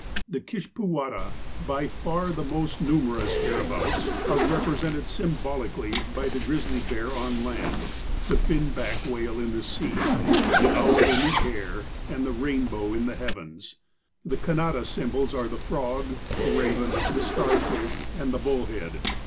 " The Kishpootwadda, by far the most numerous here abouts, are represented symbolically, by the grizzly bear on land, the finback whale in the sea, the owl in the air, and the rainbow in the heavens. — The Canadda symbols are the frog; the raven ; the starfish ; and the bullhead.